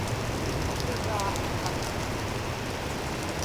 kapigaa aġnaq